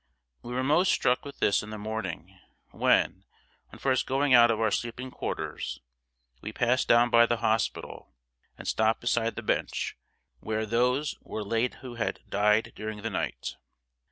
We were most struck with this in the morning, when, on first going out of our sleeping quarters, we passed down by the hospital and stopped beside the bench where those were laid who had died during the night.